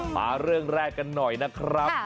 มาเรื่องแรกกันหน่อยนะครับ